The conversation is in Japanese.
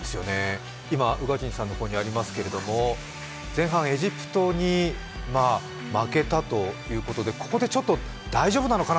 今、宇賀神さんの方にありますが前半、エジプトに負けたということでここでちょっと大丈夫なのかな？